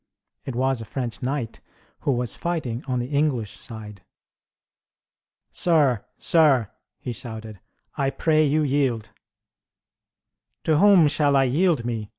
It was a French knight, who was fighting on the English side. "Sir, sir!" he shouted, "I pray you yield!" "To whom shall I yield me?"